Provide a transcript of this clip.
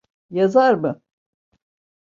Yazar mı?